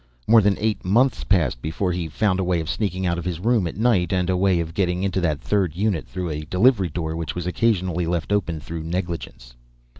More than eight months passed before he found a way of sneaking out of his room at night, and a way of getting into that Third Unit through a delivery door which was occasionally left open through negligence.